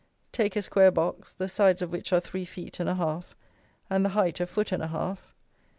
Take a square box, the sides of which are three feet and a half, and the height a foot and a half.